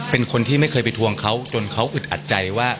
เป็นคนที่ไม่เคยไปทวงเขาจนเขาอึดอัดใจว่า